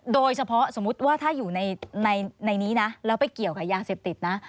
สมมุติว่าถ้าอยู่ในนี้นะแล้วไปเกี่ยวกับยาเสพติดนะ